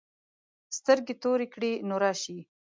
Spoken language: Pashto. سترګې تورې کړې نو راشې.